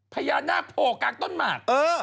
พญานาคโผล่กลางต้นหมาก